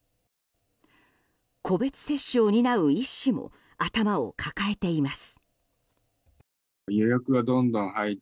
個別接種を担う医師も頭を抱えています。